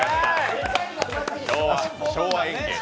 昭和演芸で。